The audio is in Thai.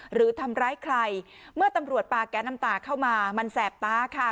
หรือทำร้ายใครเมื่อตำรวจปลาแก๊สน้ำตาเข้ามามันแสบตาค่ะ